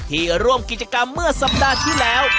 ร่วมกิจกรรมเมื่อสัปดาห์ที่แล้ว